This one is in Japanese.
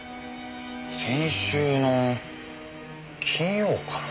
先週の金曜かな。